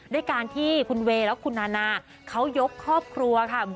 ด้วยการที่คุณเวย์และคุณนานาเขายกครอบครัวค่ะ